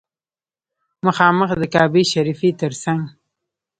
مخامخ د کعبې شریفې تر څنګ.